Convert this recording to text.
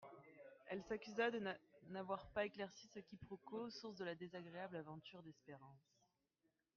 Elle s'accusa de n'avoir pas éclairci ce quiproquo, source de la désagréable aventure d'Espérance.